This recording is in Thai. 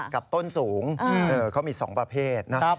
กับต้นสูงเขามี๒ประเภทนะครับ